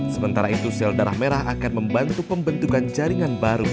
sementara itu sel darah merah akan membantu pembentukan jaringan baru